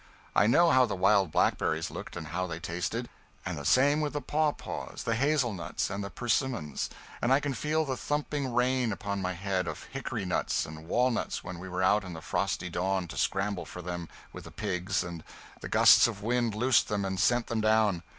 I know how the wild blackberries looked, and how they tasted; and the same with the pawpaws, the hazelnuts and the persimmons; and I can feel the thumping rain, upon my head, of hickory nuts and walnuts when we were out in the frosty dawn to scramble for them with the pigs, and the gusts of wind loosed them and sent them down.